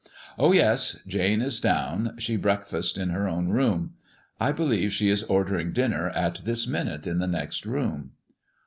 Oh yes, Jane is down; she breakfasted in her own room. I believe she is ordering dinner at this minute in the next room."